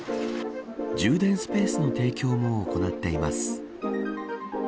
充電スペースの提供も行っています。